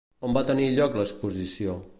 On va tenir lloc l'exposició?